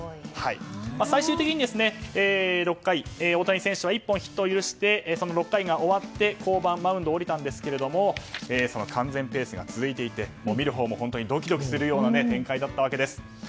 最終的に、６回大谷選手は１本ヒットを許してその６回が終わって降板、マウンドを降りましたがその完全ペースが続いていて見るほうもドキドキするような展開だったわけです。